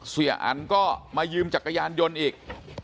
เสียอันก็มายืมจักรยานยนต์อีก